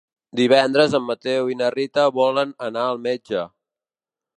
Divendres en Mateu i na Rita volen anar al metge.